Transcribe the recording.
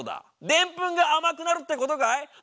デンプンが甘くなるってことかい？